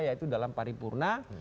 yaitu dalam paripurna